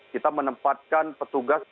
kita menempatkan petugas